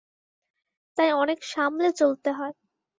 তাই অনেক সামলে চলতে হয়।